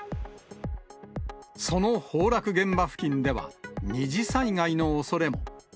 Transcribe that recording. その崩落現場付近では、二次災害のおそれも。